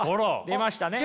出ましたね。